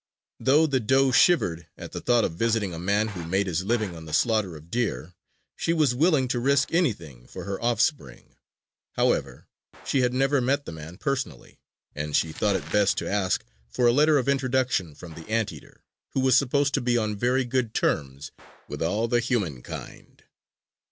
Though the doe shivered at the thought of visiting a man who made his living on the slaughter of deer, she was willing to risk anything for her offspring. However, she had never met the man personally, and she thought it best to ask for a letter of introduction from the Anteater, who was supposed to be on very good terms with all the human kind.